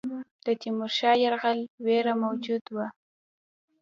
د تیمورشاه د یرغل وېره موجوده وه.